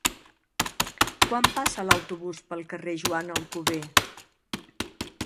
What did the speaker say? Quan passa l'autobús pel carrer Joan Alcover?